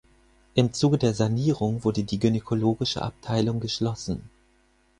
Im Zuge der Sanierung wurde die gynäkologische Abteilung geschlossen.